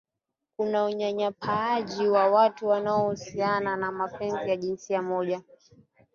kuna unyanyapaaji wa watu wanaojihusiana na mapenzi ya jinsia moja